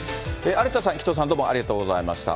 有田さん、紀藤さん、どうもありがとうございました。